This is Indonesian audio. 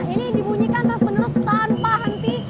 ini dibunyikan terus menerus tanpa henti